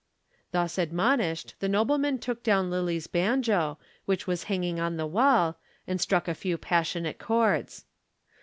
Thus admonished, the nobleman took down Lillie's banjo, which was hanging on the wall, and struck a few passionate chords.